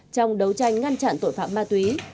trong đấu tranh nâng cao nhận thức của các chủ cơ sở